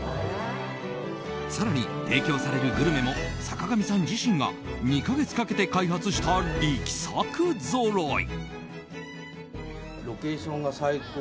更に、提供されるグルメも坂上さん自身が２か月かけて開発した力作ぞろい。